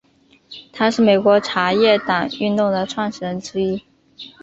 他是美国茶叶党运动的创始人之一。